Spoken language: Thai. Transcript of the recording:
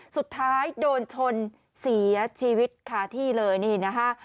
สุดท้ายโดนชนเสียชีวิตคาที่เลยนี่นะคะ